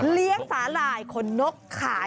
เลี้ยงสาหร่ายคนนกขาย